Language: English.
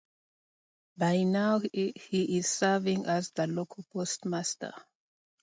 By now he is serving as the local postmaster.